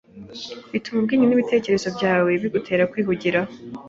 bituma ubwenge n’intekerezo zawe bigutera kwihugiraho,